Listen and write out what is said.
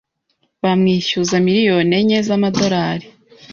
bamwishyuza miliyoni enye z’amadolari.